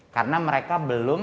karena mereka belum